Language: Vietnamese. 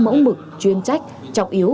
mẫu mực chuyên trách trọc yếu